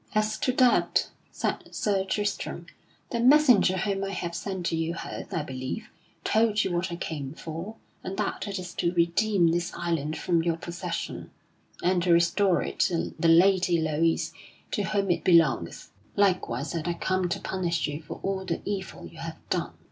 "As to that," said Sir Tristram, "the messenger whom I have sent to you hath, I believe, told you what I come for, and that it is to redeem this island from your possession, and to restore it to the Lady Loise, to whom it belongeth. Likewise that I come to punish you for all the evil you have done."